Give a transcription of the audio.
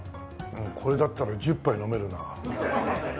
これだったら１０杯飲めるな。